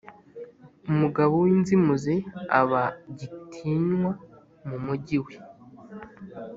Umugabo w’inzimuzi aba gitinywa mu mugi we,